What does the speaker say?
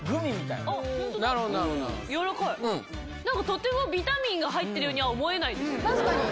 なんかとてもビタミンが入っているようには思えないです。